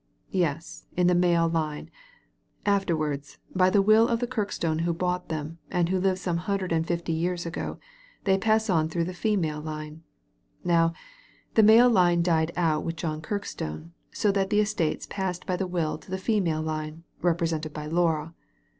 "Yes, in the male line. Afterwards, by the will of the Kirkstone who bought them, and who lived some hundred and fifty years ago, they pass on through the female line. Now, the male line died out with John Kirkstone, so that the estates passed by the will to the female line, represented by Laura.